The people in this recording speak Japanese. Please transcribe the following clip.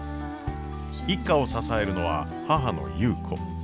一家を支えるのは母の優子。